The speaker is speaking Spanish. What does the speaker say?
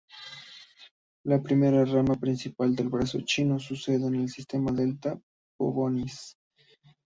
La primera rama principal del Brazo Chino sucede en el sistema Delta Pavonis.